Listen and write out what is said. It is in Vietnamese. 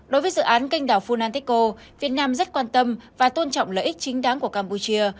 đối với dự án canh đảo funantico việt nam rất quan tâm và tôn trọng lợi ích chính đáng của campuchia